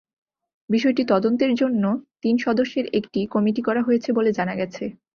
বিষয়টি তদন্তের জন্য তিন সদস্যের একটি কমিটি করা হয়েছে বলে জানা গেছে।